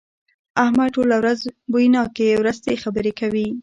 احمد ټوله ورځ بويناکې ورستې خبرې کوي.